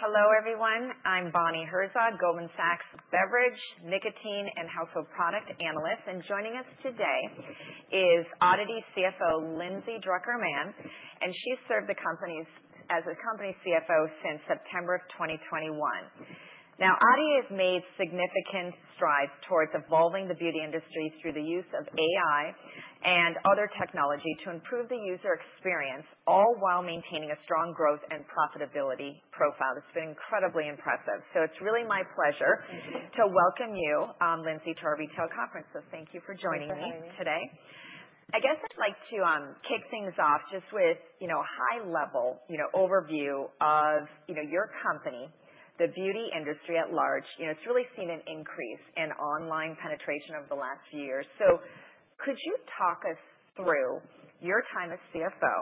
Hello, everyone. I'm Bonnie Herzog, Goldman Sachs Beverage, Nicotine, and Household Product Analyst, and joining us today is ODDITY CFO Lindsay Drucker Mann, and she's served as a company CFO since September of 2021. Now, ODDITY has made significant strides towards evolving the beauty industry through the use of AI and other technology to improve the user experience, all while maintaining a strong growth and profitability profile. It's been incredibly impressive, so it's really my pleasure to welcome you, Lindsay, to our retail conference, so thank you for joining me today. Thank you. I guess I'd like to kick things off just with a high-level overview of your company, the beauty industry at large. It's really seen an increase in online penetration over the last few years. So could you talk us through your time as CFO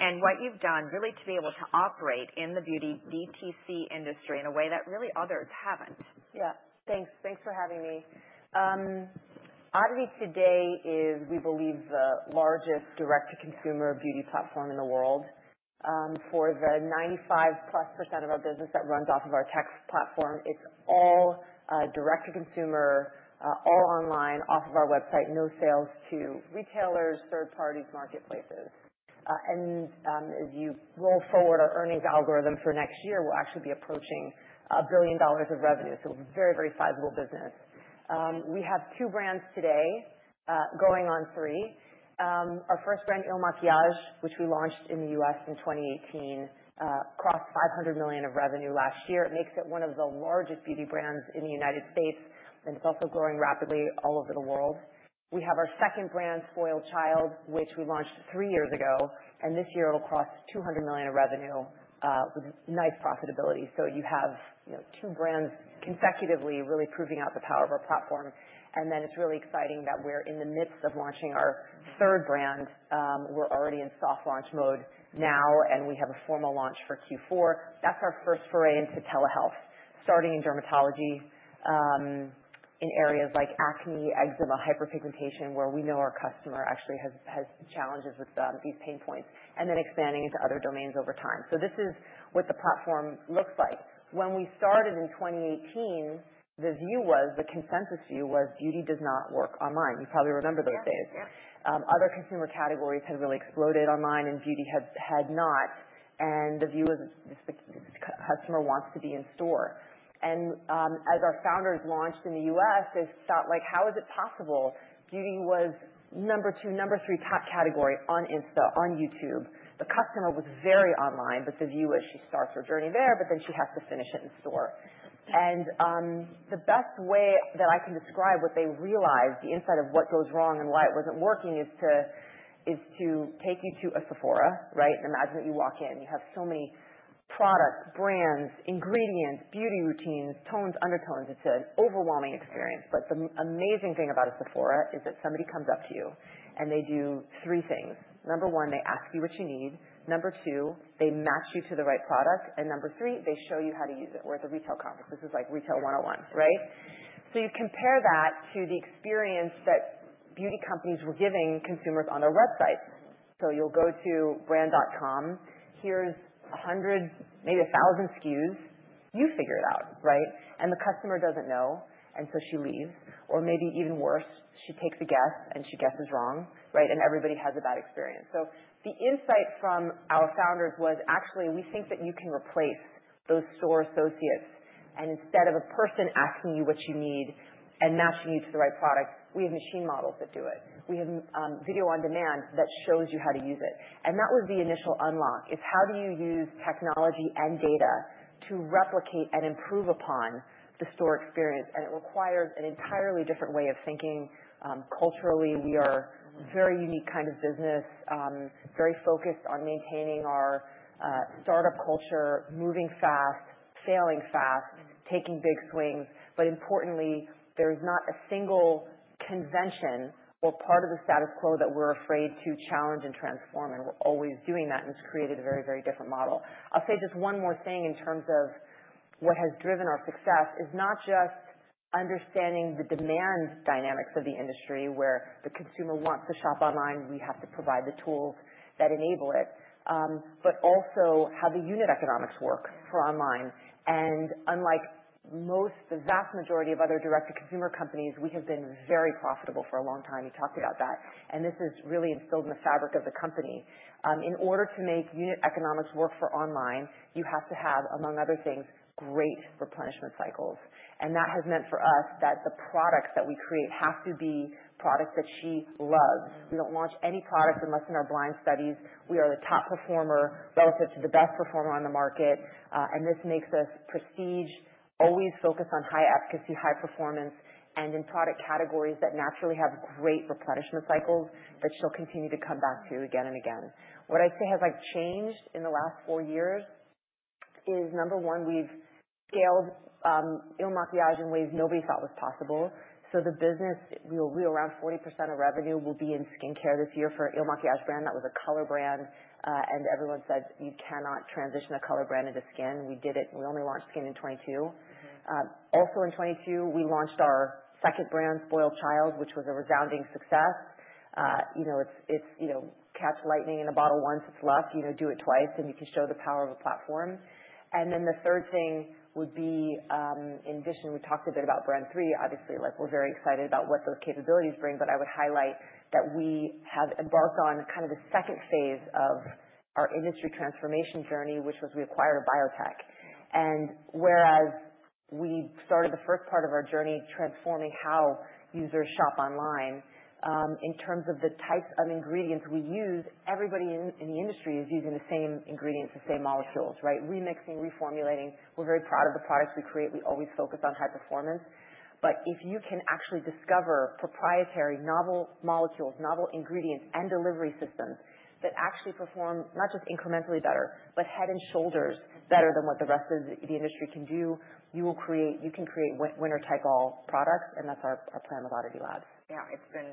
and what you've done really to be able to operate in the beauty DTC industry in a way that really others haven't? Yeah. Thanks. Thanks for having me. ODDITY today is, we believe, the largest Direct-to-Consumer beauty platform in the world. For the 95-plus% of our business that runs off of our tech platform, it's all Direct-to-Consumer, all online, off of our website, no sales to retailers, third parties, marketplaces. And as you roll forward, our earnings algorithm for next year will actually be approaching $1 billion of revenue. So it's a very, very sizable business. We have two brands today going on three. Our first brand, Il Makiage, which we launched in the U.S. in 2018, crossed $500 million of revenue last year. It makes it one of the largest beauty brands in the United States. And it's also growing rapidly all over the world. We have our second brand, SpoiledChild, which we launched three years ago. And this year, it'll cross $200 million of revenue with nice profitability. So you have two brands consecutively really proving out the power of our platform. And then it's really exciting that we're in the midst of launching our third brand. We're already in soft launch mode now. And we have a formal launch for Q4. That's our first foray into telehealth, starting in dermatology in areas like acne, eczema, hyperpigmentation, where we know our customer actually has challenges with these pain points, and then expanding into other domains over time. So this is what the platform looks like. When we started in 2018, the view was, the consensus view was, beauty does not work online. You probably remember those days. Yeah. Yeah. Other consumer categories had really exploded online, and beauty had not. And the view was, the customer wants to be in store. And as our founders launched in the U.S., they thought, like, how is it possible? Beauty was number two, number three top category on Insta, on YouTube. The customer was very online. But the view was, she starts her journey there, but then she has to finish it in store. And the best way that I can describe what they realized, the insight of what goes wrong and why it wasn't working, is to take you to a Sephora, right? And imagine that you walk in. You have so many products, brands, ingredients, beauty routines, tones, undertones. It's an overwhelming experience. But the amazing thing about a Sephora is that somebody comes up to you, and they do three things. Number one, they ask you what you need. Number two, they match you to the right product, and number three, they show you how to use it. We're at the retail conference. This is like retail 101, right, so you compare that to the experience that beauty companies were giving consumers on their websites, so you'll go to brand.com. Here's 100, maybe 1,000 SKUs. You figure it out, right, and the customer doesn't know, and so she leaves, or maybe even worse, she takes a guess, and she guesses wrong, right, and everybody has a bad experience, so the insight from our founders was, actually, we think that you can replace those store associates, and instead of a person asking you what you need and matching you to the right product, we have machine models that do it. We have video on demand that shows you how to use it. And that was the initial unlock, is how do you use technology and data to replicate and improve upon the store experience? And it requires an entirely different way of thinking. Culturally, we are a very unique kind of business, very focused on maintaining our startup culture, moving fast, failing fast, taking big swings. But importantly, there is not a single convention or part of the status quo that we're afraid to challenge and transform. And we're always doing that. And it's created a very, very different model. I'll say just one more thing in terms of what has driven our success, is not just understanding the demand dynamics of the industry, where the consumer wants to shop online. We have to provide the tools that enable it, but also how the unit economics work for online. Unlike most, the vast majority of other Direct-to-Consumer companies, we have been very profitable for a long time. You talked about that. This is really instilled in the fabric of the company. In order to make unit economics work for online, you have to have, among other things, great replenishment cycles. That has meant for us that the products that we create have to be products that she loves. We don't launch any products unless in our blind studies. We are the top performer relative to the best performer on the market. This makes us prestige, always focus on high efficacy, high performance, and in product categories that naturally have great replenishment cycles that she'll continue to come back to again and again. What I'd say has changed in the last four years is, number one, we've scaled Il Makiage in ways nobody thought was possible. So the business, we were around 40% of revenue will be in skincare this year for Il Makiage brand. That was a color brand. And everyone said, you cannot transition a color brand into skin. We did it. We only launched skin in 2022. Also in 2022, we launched our second brand, SpoiledChild, which was a resounding success. It's catch lightning in a bottle once, it's luck. Do it twice, and you can show the power of a platform. And then the third thing would be, in addition, we talked a bit about Brand 3. Obviously, we're very excited about what those capabilities bring. But I would highlight that we have embarked on kind of a second phase of our industry transformation journey, which was we acquired a biotech. Whereas we started the first part of our journey transforming how users shop online, in terms of the types of ingredients we use, everybody in the industry is using the same ingredients, the same molecules, right? Remixing, reformulating. We're very proud of the products we create. We always focus on high performance. But if you can actually discover proprietary novel molecules, novel ingredients, and delivery systems that actually perform not just incrementally better, but head and shoulders better than what the rest of the industry can do, you can create winner-take-all products. And that's our plan with ODDITY Labs. Yeah. It's been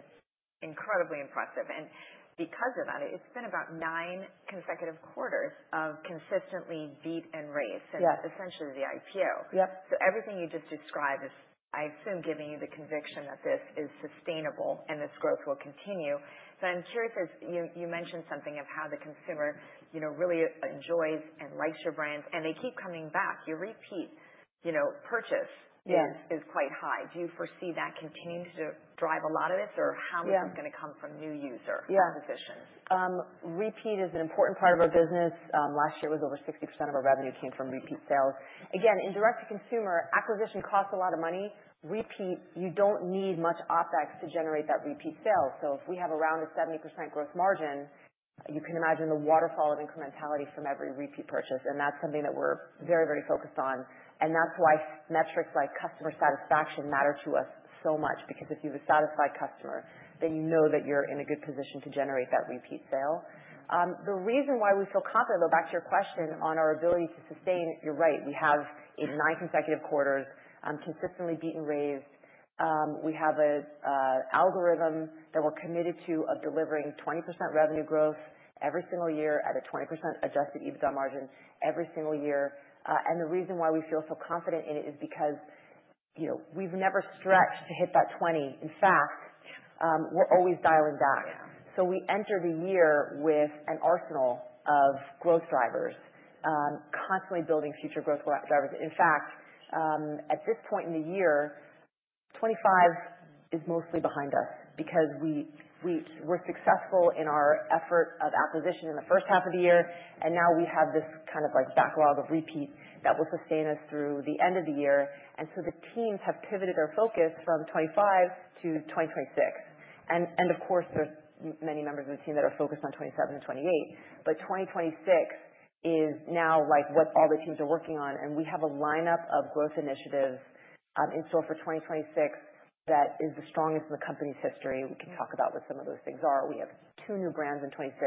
incredibly impressive, and because of that, it's been about nine consecutive quarters of consistently beat and raise since, essentially, the IPO. Yep. So everything you just described is, I assume, giving you the conviction that this is sustainable and this growth will continue. But I'm curious, as you mentioned something of how the consumer really enjoys and likes your brands. And they keep coming back. Your repeat purchase is quite high. Do you foresee that continuing to drive a lot of this, or how much is going to come from new user acquisition? Yeah. Repeat is an important part of our business. Last year, it was over 60% of our revenue came from repeat sales. Again, in Direct-to-Consumer, acquisition costs a lot of money. Repeat, you don't need much OpEx to generate that repeat sale. So if we have around a 70% gross margin, you can imagine the waterfall of incrementality from every repeat purchase. And that's something that we're very, very focused on. And that's why metrics like customer satisfaction matter to us so much, because if you have a satisfied customer, then you know that you're in a good position to generate that repeat sale. The reason why we feel confident, though, back to your question on our ability to sustain, you're right, we have eight nine consecutive quarters consistently beat and raised. We have an algorithm that we're committed to of delivering 20% revenue growth every single year at a 20% adjusted EBITDA margin every single year, and the reason why we feel so confident in it is because we've never stretched to hit that 20. In fact, we're always dialing back, so we enter the year with an arsenal of growth drivers, constantly building future growth drivers. In fact, at this point in the year, 2025 is mostly behind us because we were successful in our effort of acquisition in the first half of the year, and now we have this kind of backlog of repeat that will sustain us through the end of the year, and so the teams have pivoted their focus from 2025 to 2026. And of course, there are many members of the team that are focused on 2027 and 2028. But 2026 is now what all the teams are working on. And we have a lineup of growth initiatives in store for 2026 that is the strongest in the company's history. We can talk about what some of those things are. We have two new brands in 2026.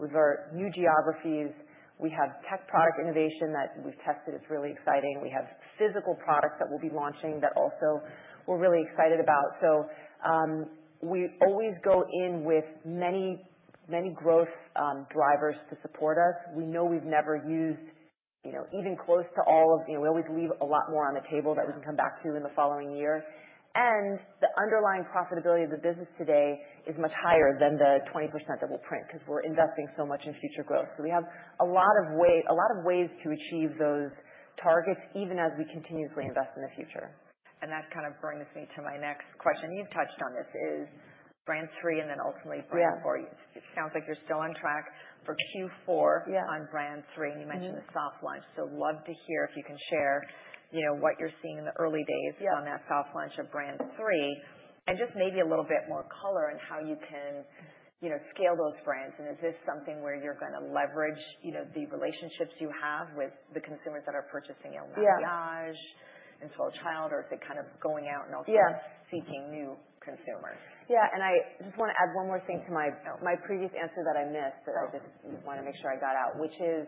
We've got new geographies. We have tech product innovation that we've tested. It's really exciting. We have physical products that we'll be launching that also we're really excited about. So we always go in with many growth drivers to support us. We know we've never used even close to all of. We always leave a lot more on the table that we can come back to in the following year. And the underlying profitability of the business today is much higher than the 20% that we'll print because we're investing so much in future growth. So we have a lot of ways to achieve those targets, even as we continuously invest in the future. And that kind of brings me to my next question. You've touched on this, is Brand 3 and then ultimately Brand 4. It sounds like you're still on track for Q4 on Brand 3. And you mentioned the soft launch. So love to hear if you can share what you're seeing in the early days on that soft launch of Brand 3. And just maybe a little bit more color on how you can scale those brands. And is this something where you're going to leverage the relationships you have with the consumers that are purchasing Il Makiage and SpoiledChild, or is it kind of going out and also seeking new consumers? Yeah. And I just want to add one more thing to my previous answer that I missed that I just want to make sure I got out, which is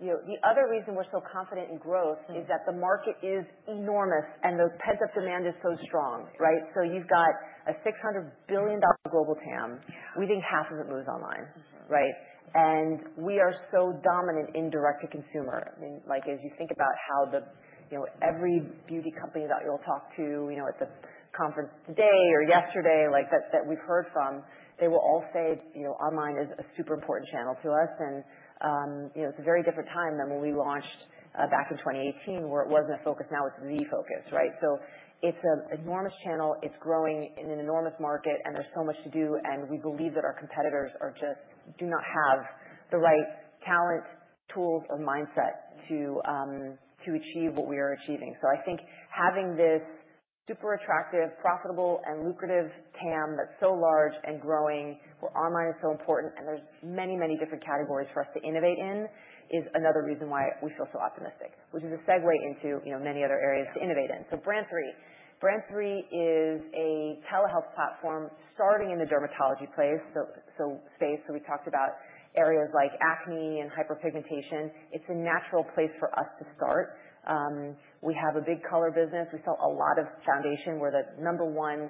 the other reason we're so confident in growth is that the market is enormous and the heads-up demand is so strong, right? So you've got a $600 billion global TAM. We think half of it moves online, right? And we are so dominant in Direct-to-Consumer. I mean, as you think about how every beauty company that you'll talk to at the conference today or yesterday that we've heard from, they will all say online is a super important channel to us. And it's a very different time than when we launched back in 2018, where it wasn't a focus. Now it's the focus, right? So it's an enormous channel. It's growing in an enormous market. And there's so much to do. We believe that our competitors just do not have the right talent, tools, or mindset to achieve what we are achieving. I think having this super attractive, profitable, and lucrative TAM that's so large and growing, where online is so important, and there's many, many different categories for us to innovate in, is another reason why we feel so optimistic, which is a segue into many other areas to innovate in. Brand 3. Brand 3 is a telehealth platform starting in the dermatology space. We talked about areas like acne and hyperpigmentation. It's a natural place for us to start. We have a big color business. We sell a lot of foundation. We're the number one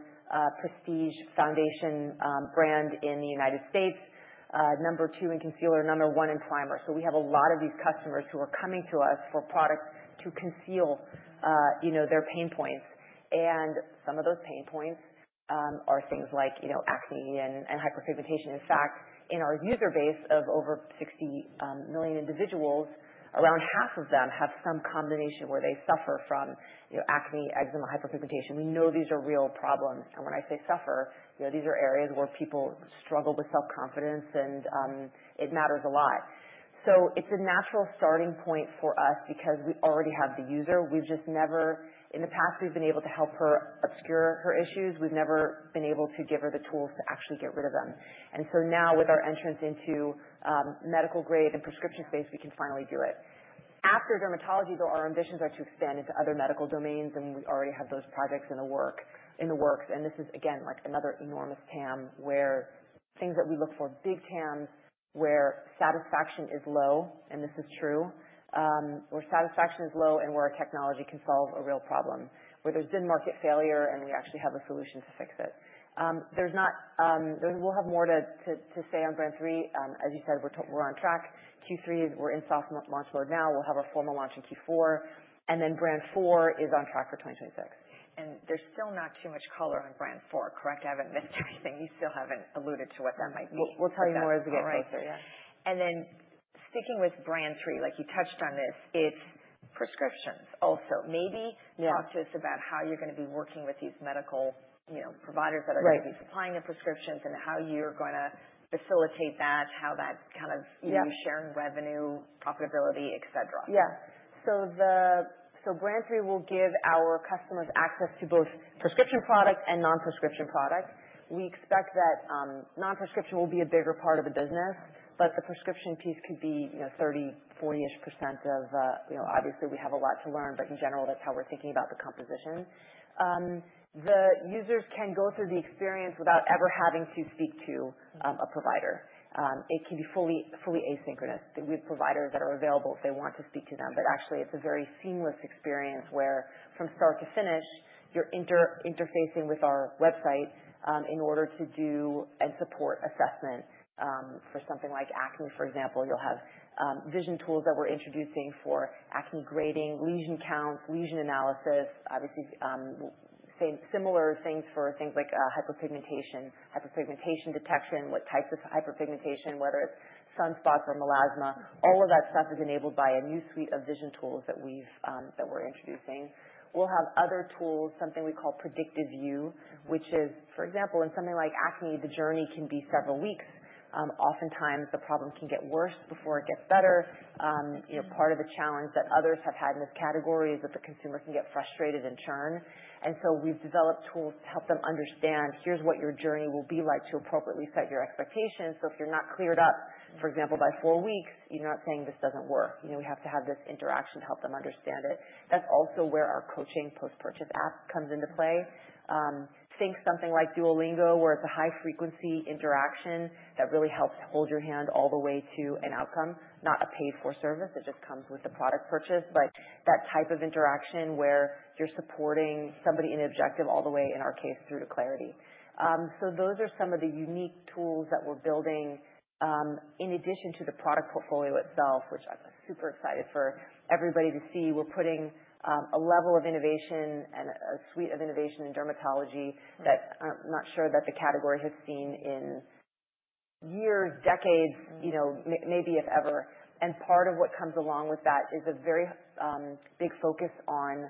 prestige foundation brand in the United States, number two in concealer, number one in primer. So we have a lot of these customers who are coming to us for products to conceal their pain points. And some of those pain points are things like acne and hyperpigmentation. In fact, in our user base of over 60 million individuals, around half of them have some combination where they suffer from acne, eczema, hyperpigmentation. We know these are real problems. And when I say suffer, these are areas where people struggle with self-confidence, and it matters a lot. So it's a natural starting point for us because we already have the user. We've just never, in the past, we've been able to help her obscure her issues. We've never been able to give her the tools to actually get rid of them. And so now, with our entrance into medical-grade and prescription space, we can finally do it. After dermatology, though, our ambitions are to expand into other medical domains. And we already have those projects in the works. And this is, again, like another enormous TAM, where things that we look for, big TAMs, where satisfaction is low, and this is true, where satisfaction is low and where our technology can solve a real problem, where there's been market failure and we actually have a solution to fix it. We'll have more to say on Brand 3. As you said, we're on track. Q3, we're in soft launch mode now. We'll have our formal launch in Q4. And then Brand 4 is on track for 2026. And there's still not too much color on Brand 4, correct? I haven't missed anything. You still haven't alluded to what that might be. We'll tell you more as we get closer, yeah. And then sticking with Brand 3, like you touched on this, it's prescriptions also. Maybe talk to us about how you're going to be working with these medical providers that are going to be supplying the prescriptions and how you're going to facilitate that, how that kind of sharing revenue, profitability, etc.? Yeah. So, Brand 3, we'll give our customers access to both prescription products and non-prescription products. We expect that non-prescription will be a bigger part of the business, but the prescription piece could be 30%-40%ish. Obviously, we have a lot to learn. But in general, that's how we're thinking about the composition. The users can go through the experience without ever having to speak to a provider. It can be fully asynchronous. We have providers that are available if they want to speak to them. But actually, it's a very seamless experience where, from start to finish, you're interfacing with our website in order to do and support assessment for something like acne, for example. You'll have vision tools that we're introducing for acne grading, lesion counts, lesion analysis, obviously, similar things for things like hyperpigmentation, hyperpigmentation detection, what types of hyperpigmentation, whether it's sunspots or melasma. All of that stuff is enabled by a new suite of vision tools that we're introducing. We'll have other tools, something we call predictive view, which is, for example, in something like acne, the journey can be several weeks. Oftentimes, the problem can get worse before it gets better. Part of the challenge that others have had in this category is that the consumer can get frustrated and churn. And so we've developed tools to help them understand, here's what your journey will be like to appropriately set your expectations. So if you're not cleared up, for example, by four weeks, you're not saying this doesn't work. We have to have this interaction to help them understand it. That's also where our coaching post-purchase app comes into play. Think something like Duolingo, where it's a high-frequency interaction that really helps hold your hand all the way to an outcome, not a paid-for service. It just comes with the product purchase. But that type of interaction where you're supporting somebody in an objective all the way, in our case, through to clarity. So those are some of the unique tools that we're building in addition to the product portfolio itself, which I'm super excited for everybody to see. We're putting a level of innovation and a suite of innovation in dermatology that I'm not sure that the category has seen in years, decades, maybe if ever. And part of what comes along with that is a very big focus on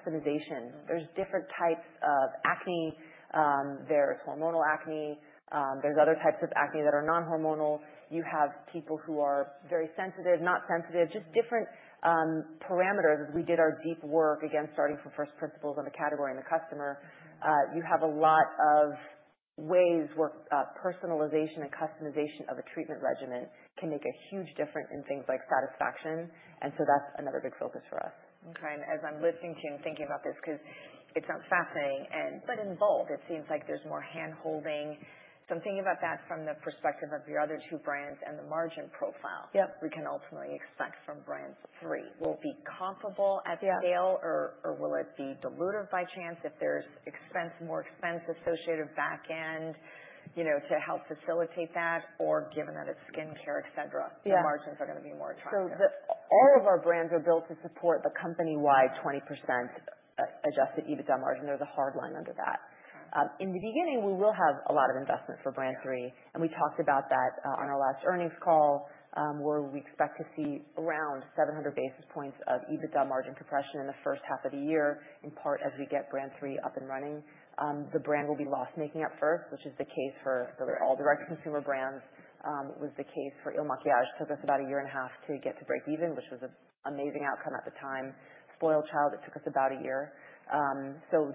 customization. There's different types of acne. There's hormonal acne. There's other types of acne that are non-hormonal. You have people who are very sensitive, not sensitive, just different parameters. We did our deep work again, starting from first principles on the category and the customer. You have a lot of ways where personalization and customization of a treatment regimen can make a huge difference in things like satisfaction, and so that's another big focus for us. Okay. As I'm listening to you and thinking about this, because it sounds fascinating but involved, it seems like there's more hand-holding. So I'm thinking about that from the perspective of your other two brands and the margin profile we can ultimately expect from Brand 3. Will it be comparable at scale, or will it be diluted by chance if there's more expense associated back-end to help facilitate that, or given that it's skincare, etc., the margins are going to be more attractive? All of our brands are built to support the company-wide 20% adjusted EBITDA margin. There's a hard line under that. In the beginning, we will have a lot of investment for Brand 3. We talked about that on our last earnings call, where we expect to see around 700 basis points of EBITDA margin compression in the first half of the year, in part as we get Brand 3 up and running. The brand will be loss-making at first, which is the case for all Direct-to-Consumer brands. It was the case for Il Makiage. It took us about a year and a half to get to break even, which was an amazing outcome at the time. SpoiledChild, it took us about a year.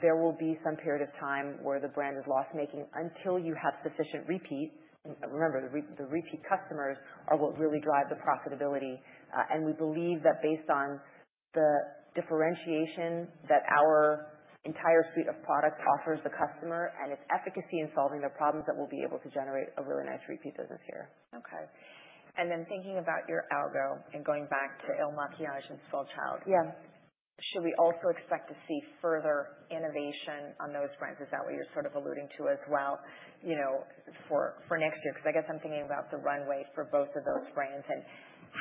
There will be some period of time where the brand is loss-making until you have sufficient repeat. Remember, the repeat customers are what really drive the profitability. And we believe that based on the differentiation that our entire suite of products offers the customer and its efficacy in solving their problems, that we'll be able to generate a really nice repeat business here. Okay. And then thinking about your algo and going back to Il Makiage and SpoiledChild, should we also expect to see further innovation on those brands? Is that what you're sort of alluding to as well for next year? Because I guess I'm thinking about the runway for both of those brands. And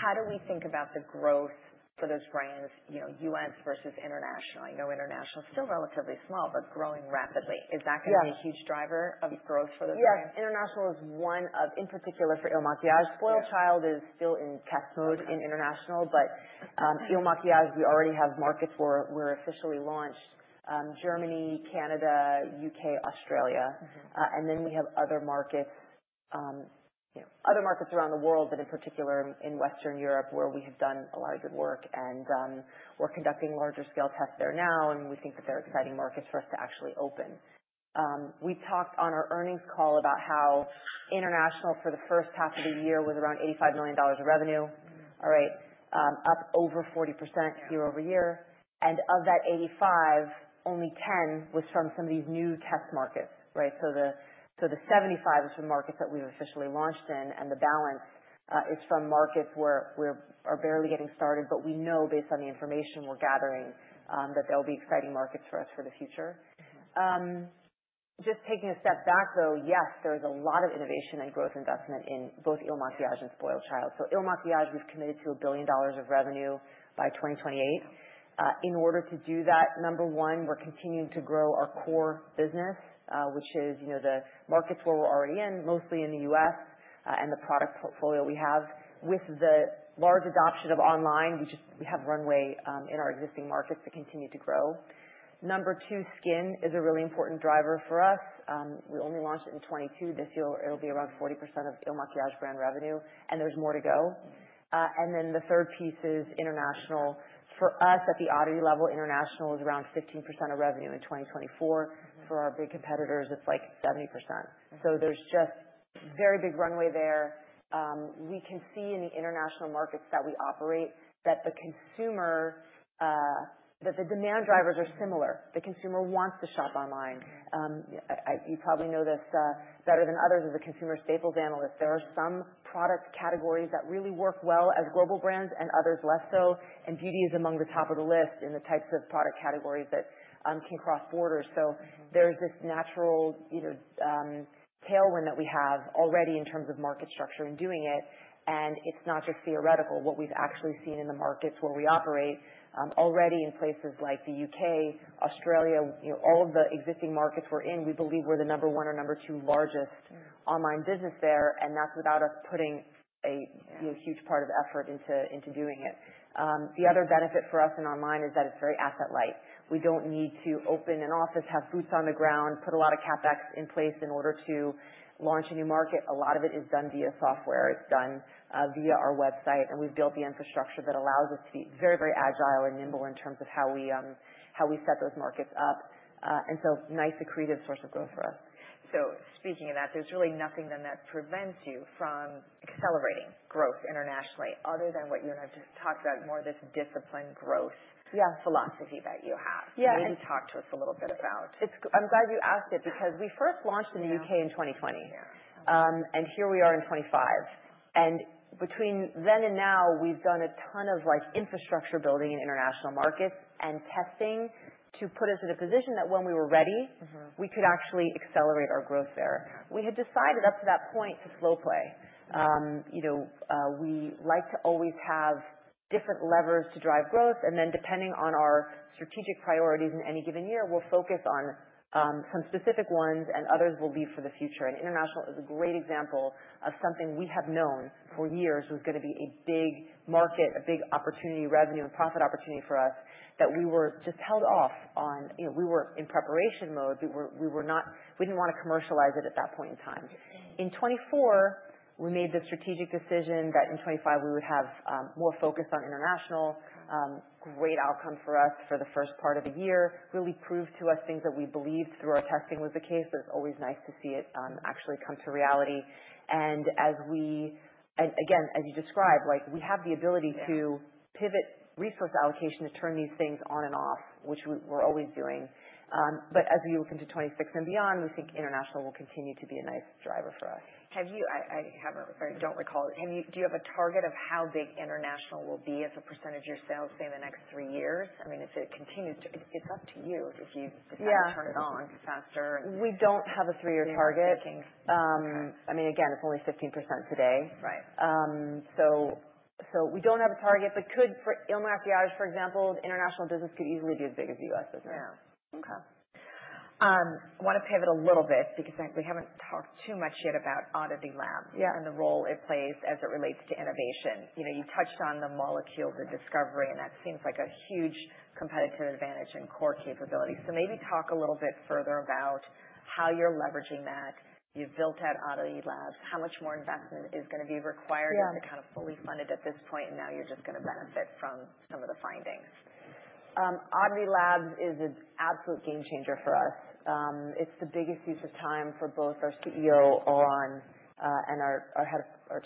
how do we think about the growth for those brands, U.S. versus international? I know international is still relatively small, but growing rapidly. Is that going to be a huge driver of growth for those brands? Yeah. International is one of, in particular, for Il Makiage. SpoiledChild is still in test mode in international. But Il Makiage, we already have markets where we're officially launched: Germany, Canada, U.K., Australia. And then we have other markets around the world, but in particular in Western Europe, where we have done a lot of good work. And we're conducting larger-scale tests there now. And we think that they're exciting markets for us to actually open. We talked on our earnings call about how international for the first half of the year was around $85 million of revenue, all right, up over 40% year-over-year. And of that 85, only 10 was from some of these new test markets, right? So the 75 is from markets that we've officially launched in. And the balance is from markets where we are barely getting started. But we know, based on the information we're gathering, that there will be exciting markets for us for the future. Just taking a step back, though, yes, there is a lot of innovation and growth investment in both Il Makiage and SpoiledChild. So Il Makiage, we've committed to $1 billion of revenue by 2028. In order to do that, number one, we're continuing to grow our core business, which is the markets where we're already in, mostly in the U.S., and the product portfolio we have. With the large adoption of online, we have runway in our existing markets to continue to grow. Number two, skin is a really important driver for us. We only launched it in 2022. This year, it'll be around 40% of Il Makiage brand revenue. And there's more to go. And then the third piece is international. For us, at the ODDITY level, international is around 15% of revenue in 2024. For our big competitors, it's like 70%. So there's just very big runway there. We can see in the international markets that we operate that the demand drivers are similar. The consumer wants to shop online. You probably know this better than others as a consumer staples analyst. There are some product categories that really work well as global brands and others less so. And beauty is among the top of the list in the types of product categories that can cross borders. So there's this natural tailwind that we have already in terms of market structure in doing it. And it's not just theoretical. What we've actually seen in the markets where we operate already in places like the U.K., Australia, all of the existing markets we're in, we believe we're the number one or number two largest online business there. And that's without us putting a huge part of effort into doing it. The other benefit for us in online is that it's very asset-light. We don't need to open an office, have boots on the ground, put a lot of CapEx in place in order to launch a new market. A lot of it is done via software. It's done via our website. And we've built the infrastructure that allows us to be very, very agile and nimble in terms of how we set those markets up. And so nice, a creative source of growth for us. So speaking of that, there's really nothing then that prevents you from accelerating growth internationally other than what you and I've just talked about, more of this disciplined growth philosophy that you have. Maybe talk to us a little bit about. I'm glad you asked it because we first launched in the U.K. in 2020. And here we are in 2025. And between then and now, we've done a ton of infrastructure building in international markets and testing to put us in a position that when we were ready, we could actually accelerate our growth there. We had decided up to that point to slow play. We like to always have different levers to drive growth. And then depending on our strategic priorities in any given year, we'll focus on some specific ones, and others we'll leave for the future. And international is a great example of something we have known for years was going to be a big market, a big opportunity, revenue, and profit opportunity for us that we were just held off on. We were in preparation mode. We didn't want to commercialize it at that point in time. In 2024, we made the strategic decision that in 2025, we would have more focus on international. Great outcome for us for the first part of the year. Really proved to us things that we believed through our testing was the case. But it's always nice to see it actually come to reality. And again, as you described, we have the ability to pivot resource allocation to turn these things on and off, which we're always doing. But as we look into 2026 and beyond, we think international will continue to be a nice driver for us. I don't recall. Do you have a target of how big international will be as a percentage of your sales say in the next three years? I mean, if it continues, it's up to you if you decide to turn it on faster. We don't have a three-year target. I mean, again, it's only 15% today. So we don't have a target. But for Il Makiage, for example, the international business could easily be as big as the U.S. business. Yeah. Okay. I want to pivot a little bit because we haven't talked too much yet about ODDITY Labs and the role it plays as it relates to innovation. You touched on the molecules and discovery, and that seems like a huge competitive advantage and core capability. So maybe talk a little bit further about how you're leveraging that. You've built out ODDITY Labs. How much more investment is going to be required to kind of fully fund it at this point, and now you're just going to benefit from some of the findings. ODDITY Labs is an absolute game changer for us. It's the biggest use of time for both our CEO, Oran, and our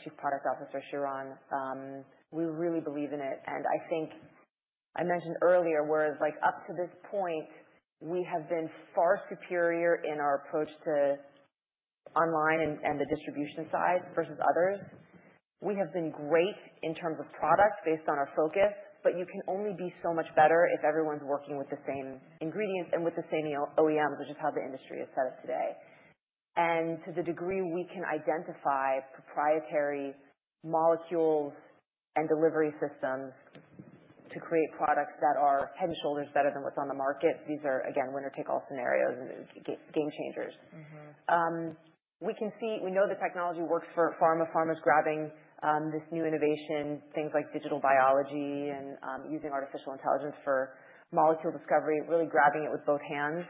Chief Product Officer, Shiran. We really believe in it, and I think I mentioned earlier, whereas up to this point, we have been far superior in our approach to online and the distribution side versus others. We have been great in terms of product based on our focus, but you can only be so much better if everyone's working with the same ingredients and with the same OEMs, which is how the industry is set up today, and to the degree we can identify proprietary molecules and delivery systems to create products that are head and shoulders better than what's on the market, these are, again, winner-take-all scenarios and game changers. We know the technology works for pharma. Pharma's grabbing this new innovation, things like digital biology and using artificial intelligence for molecule discovery, really grabbing it with both hands.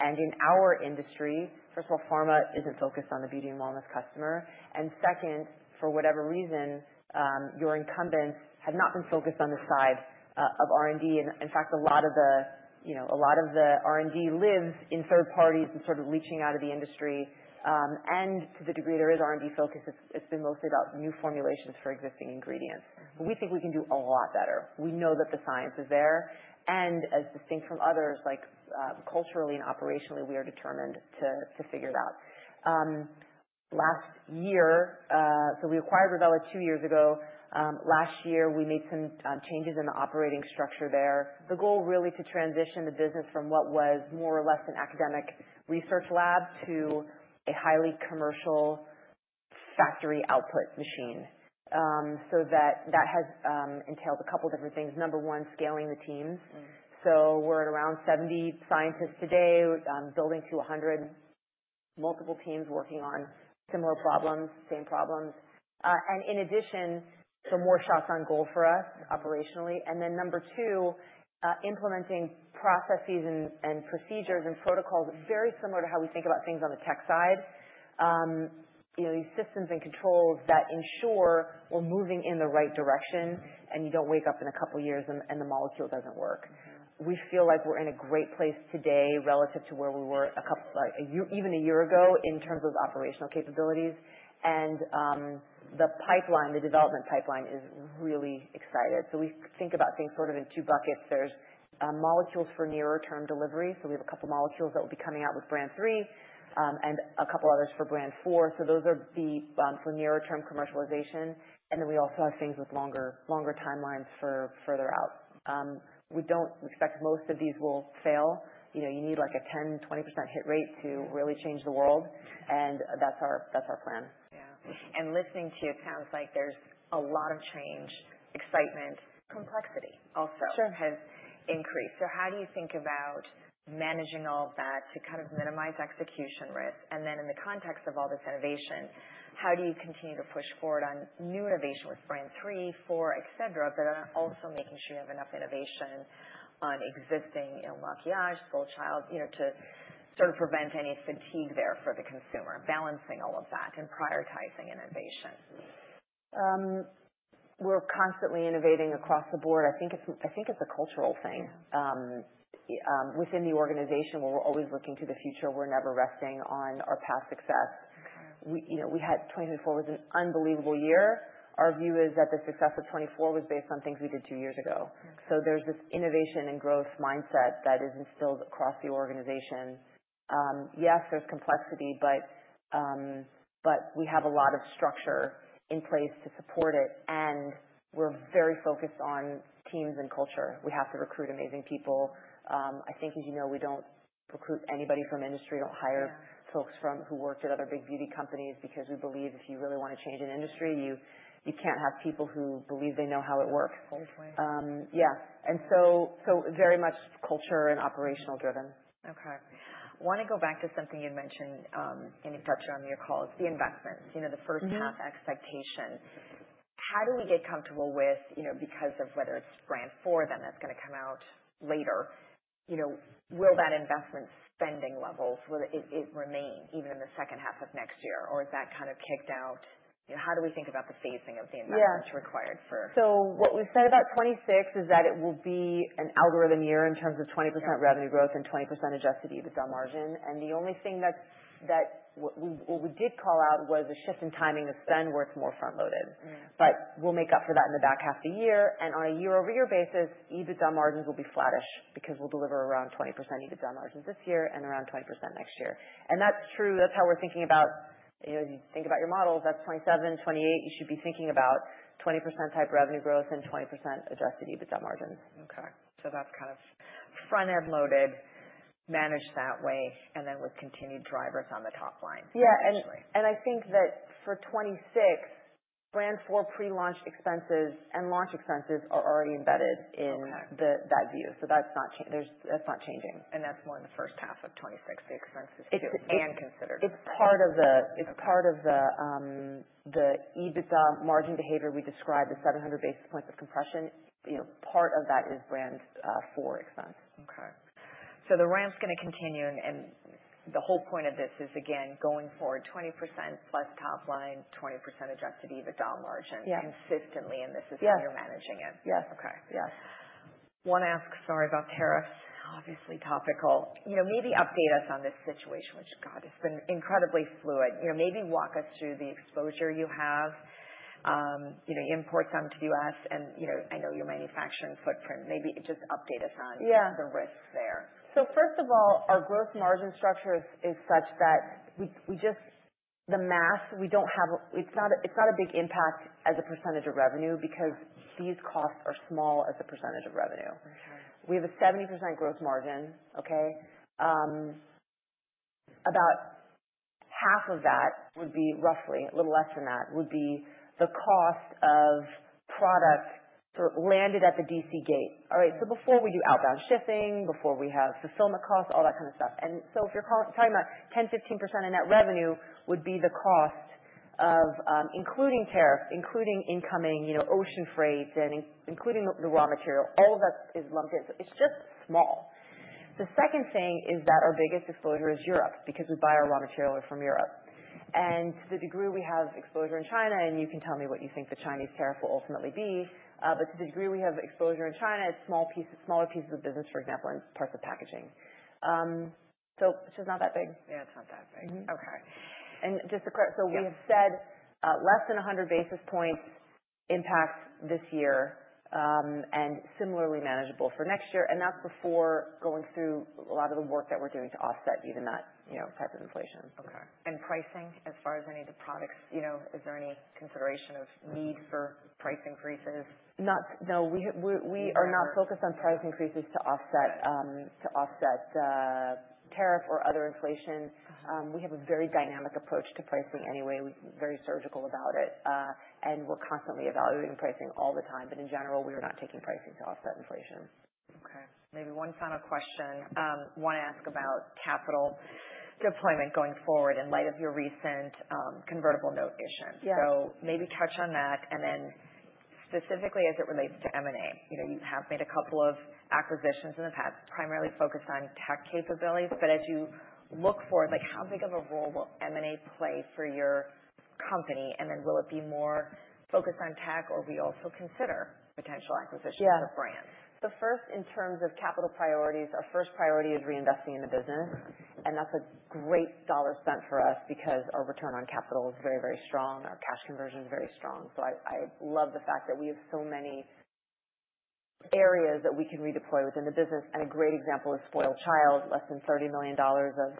And in our industry, first of all, pharma isn't focused on the beauty and wellness customer. And second, for whatever reason, your incumbents have not been focused on this side of R&D. And in fact, a lot of the R&D lives in third parties and sort of leaching out of the industry. And to the degree there is R&D focus, it's been mostly about new formulations for existing ingredients. But we think we can do a lot better. We know that the science is there. And as distinct from others, culturally and operationally, we are determined to figure it out. Last year, so we acquired Revela two years ago. Last year, we made some changes in the operating structure there. The goal really to transition the business from what was more or less an academic research lab to a highly commercial factory output machine. So that has entailed a couple of different things. Number one, scaling the teams. So we're at around 70 scientists today, building to 100, multiple teams working on similar problems, same problems. And in addition, so more shots on goal for us operationally. And then number two, implementing processes and procedures and protocols very similar to how we think about things on the tech side. These systems and controls that ensure we're moving in the right direction and you don't wake up in a couple of years and the molecule doesn't work. We feel like we're in a great place today relative to where we were even a year ago in terms of operational capabilities. And the development pipeline is really excited. We think about things sort of in two buckets. There's molecules for nearer-term delivery. We have a couple of molecules that will be coming out with Brand 3 and a couple of others for Brand 4. Those are for nearer-term commercialization. Then we also have things with longer timelines for further out. We expect most of these will fail. You need like a 10%-20% hit rate to really change the world. That's our plan. Yeah. And listening to you, it sounds like there's a lot of change, excitement. Complexity also has increased. So how do you think about managing all of that to kind of minimize execution risk? And then in the context of all this innovation, how do you continue to push forward on new innovation with Brand 3, 4, etc., but also making sure you have enough innovation on existing Il Makiage, SpoiledChild to sort of prevent any fatigue there for the consumer, balancing all of that and prioritizing innovation? We're constantly innovating across the board. I think it's a cultural thing. Within the organization, we're always looking to the future. We're never resting on our past success. We had 2024 was an unbelievable year. Our view is that the success of 2024 was based on things we did two years ago, so there's this innovation and growth mindset that is instilled across the organization. Yes, there's complexity, but we have a lot of structure in place to support it, and we're very focused on teams and culture. We have to recruit amazing people. I think, as you know, we don't recruit anybody from industry. We don't hire folks who worked at other big beauty companies because we believe if you really want to change an industry, you can't have people who believe they know how it works. Cold way. Yeah, and so very much culture and operational driven. Okay. I want to go back to something you mentioned and you touched on in your calls, the investments, the first-half expectation. How do we get comfortable with, because of whether it's Brand 4 then that's going to come out later, will that investment spending level, will it remain even in the second half of next year, or is that kind of kicked out? How do we think about the phasing of the investments required for? What we've said about 2026 is that it will be an algorithm year in terms of 20% revenue growth and 20% adjusted EBITDA margin. The only thing that we did call out was a shift in timing of spend where it's more front-loaded. We'll make up for that in the back half of the year. On a year-over-year basis, EBITDA margins will be flattish because we'll deliver around 20% EBITDA margins this year and around 20% next year. That's true. That's how we're thinking about, as you think about your models, that's 2027, 2028, you should be thinking about 20% type revenue growth and 20% adjusted EBITDA margins. Okay. So that's kind of front-end loaded, managed that way, and then with continued drivers on the top line. Yeah. And I think that for 2026, Brand 4 pre-launch expenses and launch expenses are already embedded in that view. So that's not changing. That's more in the first half of 2026, the expenses too and considered. It's part of the EBITDA margin behavior we described, the 700 basis points of compression. Part of that is Brand 4 expense. Okay, so the ramp's going to continue, and the whole point of this is, again, going forward, 20% plus top line, 20% adjusted EBITDA margin consistently in this as you're managing it. Yes. Yes. Okay. One ask, sorry, about tariffs, obviously topical. Maybe update us on this situation, which, God, it's been incredibly fluid. Maybe walk us through the exposure you have, imports onto the U.S., and I know your manufacturing footprint. Maybe just update us on the risks there. So first of all, our gross margin structure is such that it's not a big impact as a percentage of revenue because these costs are small as a percentage of revenue. We have a 70% gross margin, okay? About half of that would be roughly, a little less than that, would be the cost of product landed at the DC gate. All right. So before we do outbound shipping, before we have fulfillment costs, all that kind of stuff. And so if you're talking about 10%-15% of net revenue would be the cost, including tariffs, including incoming ocean freight, and including the raw material. All of that is lumped in. So it's just small. The second thing is that our biggest exposure is Europe because we buy our raw material from Europe. And to the degree we have exposure in China, and you can tell me what you think the Chinese tariff will ultimately be, but to the degree we have exposure in China, it's smaller pieces of business, for example, in parts of packaging, so it's just not that big. Yeah, it's not that big. Okay. And just to clarify, so we have said less than 100 basis points impact this year and similarly manageable for next year. And that's before going through a lot of the work that we're doing to offset even that type of inflation. Okay. And pricing as far as any of the products, is there any consideration of need for price increases? No. We are not focused on price increases to offset tariff or other inflation. We have a very dynamic approach to pricing anyway. We're very surgical about it. And we're constantly evaluating pricing all the time. But in general, we are not taking pricing to offset inflation. Okay. Maybe one final question. I want to ask about capital deployment going forward in light of your recent convertible note issue. So maybe touch on that. And then specifically as it relates to M&A. You have made a couple of acquisitions in the past, primarily focused on tech capabilities. But as you look forward, how big of a role will M&A play for your company? And then will it be more focused on tech, or will you also consider potential acquisitions of brands? Yeah. So first, in terms of capital priorities, our first priority is reinvesting in the business. And that's a great dollar spent for us because our return on capital is very, very strong. Our cash conversion is very strong. So I love the fact that we have so many areas that we can redeploy within the business. And a great example is SpoiledChild, less than $30 million of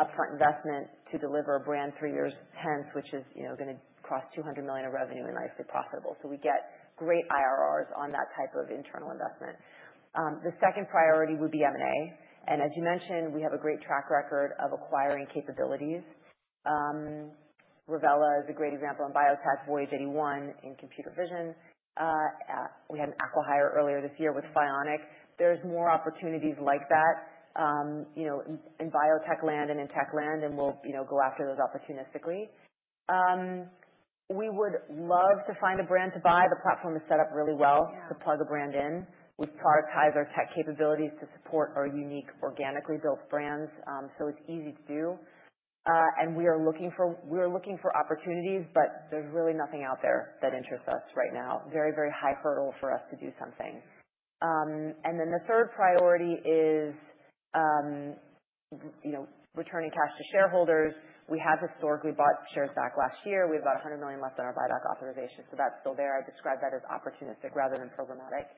upfront investment to deliver Brand 3 three years hence, which is going to cross $200 million of revenue and nicely profitable. So we get great IRRs on that type of internal investment. The second priority would be M&A. And as you mentioned, we have a great track record of acquiring capabilities. Revela is a great example in biotech, Voyage81 in computer vision. We had an acquired earlier this year with Fionic. There's more opportunities like that in biotech land and in tech land, and we'll go after those opportunistically. We would love to find a brand to buy. The platform is set up really well to plug a brand in. We've productized our tech capabilities to support our unique organically built brands. So it's easy to do. And we are looking for opportunities, but there's really nothing out there that interests us right now. Very, very high hurdle for us to do something. And then the third priority is returning cash to shareholders. We have historically bought shares back last year. We have about $100 million left on our buyback authorization. So that's still there. I describe that as opportunistic rather than programmatic.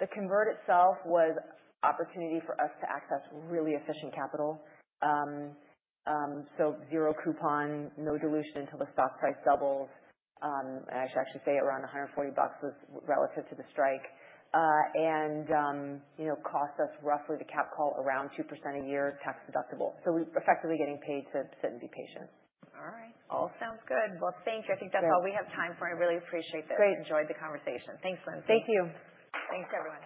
The convert itself was an opportunity for us to access really efficient capital. So zero coupon, no dilution until the stock price doubles. I should actually say around $140 relative to the strike, and cost us roughly the capped call around 2% a year, tax deductible, so we're effectively getting paid to sit and be patient. All right. All sounds good. Well, thank you. I think that's all we have time for. I really appreciate this. Enjoyed the conversation. Thanks, Lindsay. Thank you. Thanks, everyone.